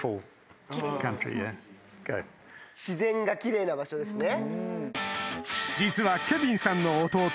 自然が奇麗な場所ですね。